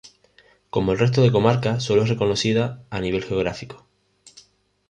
Como el resto de comarcas sólo es reconocida a nivel geográfico.